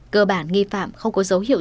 cơ bản nghi phạm không có dấu hiệu